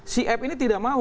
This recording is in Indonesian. si f ini tidak mau